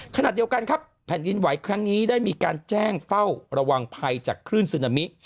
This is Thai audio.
ขณะเดียวกันครับแผ่นดินไหวครั้งนี้ได้มีการแจ้งเฝ้าระวังภัยจากคลื่นซึนามิ